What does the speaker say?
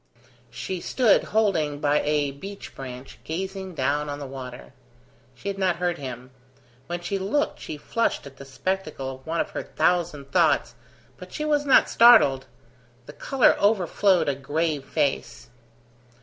She stood holding by a beech branch, gazing down on the water. She had not heard him. When she looked she flushed at the spectacle of one of her thousand thoughts, but she was not startled; the colour overflowed a grave face.